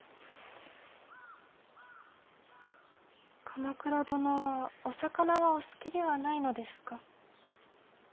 鎌倉殿はお魚はお好きではないのですか。